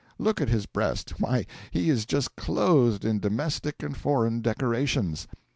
Look at his breast; why, he is just clothed in domestic and foreign decorations.